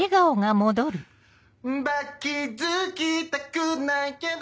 ＢＵＴ 気付きたくないけど